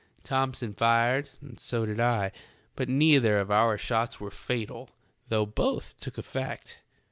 Thomson fired and so did I ; but neither of our shots was fatal, though both took effect.